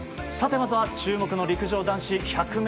まずは注目の陸上男子１００ｍ。